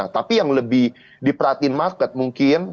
tapi yang lebih diperhatiin market mungkin